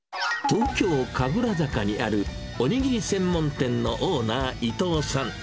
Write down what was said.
東京・神楽坂にあるおにぎり専門店のオーナー、伊東さん。